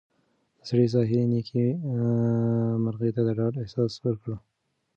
د سړي ظاهري نېکۍ مرغۍ ته د ډاډ احساس ورکړ.